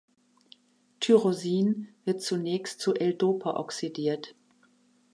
Tyrosin wird zunächst zu L-Dopa oxidiert.